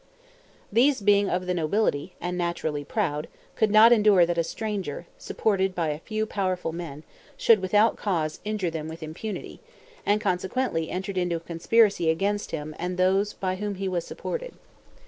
These being of the nobility, and naturally proud, could not endure that a stranger, supported by a few powerful men, should without cause injure them with impunity, and consequently entered into a conspiracy against him and those by whom he was supported.